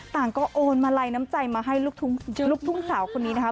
ต่างก็โอนมาลัยน้ำใจมาให้ลูกทุ่งสาวคนนี้นะคะ